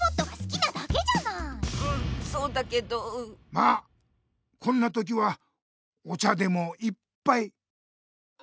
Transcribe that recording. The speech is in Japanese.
まあこんなときはお茶でも一ぱい！